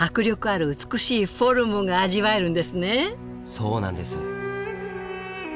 そうなんです。